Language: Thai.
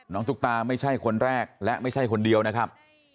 ตุ๊กตาไม่ใช่คนแรกและไม่ใช่คนเดียวนะครับ